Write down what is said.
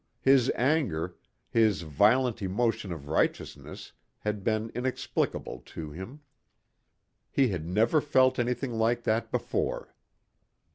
His anger, his violent emotion of righteousness had been inexplicable to him. He had never felt anything like that before.